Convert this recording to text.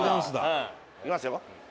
「いきますよ」